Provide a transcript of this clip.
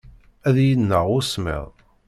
Ad iyi-ineɣ usemmiḍ.